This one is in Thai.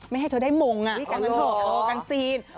ให้เธอได้มงกันเถอะกันซีน